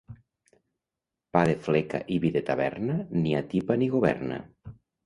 Pa de fleca i vi de taverna ni atipa ni governa.